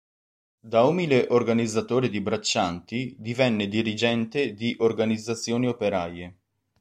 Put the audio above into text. Da umile organizzatore di braccianti, divenne dirigente di organizzazioni operaie.